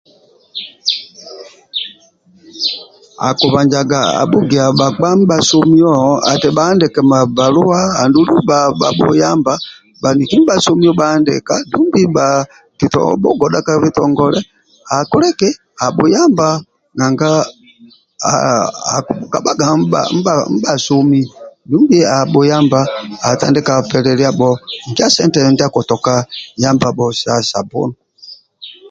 akubanjaga abhugia bhaniki ndibha somio ati bahandike ma bbaluwa dumbi abhuyamba baniki ndibha somio bhahandika bhugodha ka bitongole abhuyamba nanga akubhukabhaga ndibhasomio dumbi abhuyamba atandika pelelyiabo nkia sente sa sabbunu